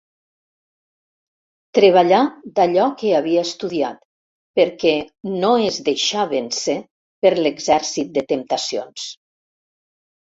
Treballà d'allò que havia estudiat perquè no es deixà vèncer per l'exèrcit de temptacions.